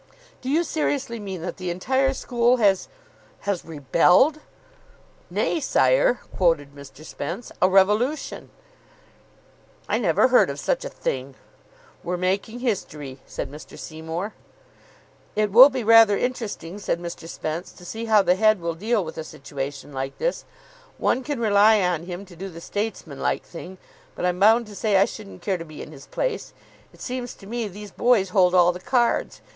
"Do you seriously mean that the entire school has has rebelled?" "'Nay, sire,'" quoted Mr. Spence, "'a revolution!'" "I never heard of such a thing!" "We're making history," said Mr. Seymour. "It will be rather interesting," said Mr. Spence, "to see how the head will deal with a situation like this. One can rely on him to do the statesman like thing, but I'm bound to say I shouldn't care to be in his place. It seems to me these boys hold all the cards.